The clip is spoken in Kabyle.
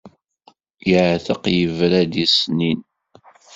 Yeɛteq yebra-d i ṣṣnin.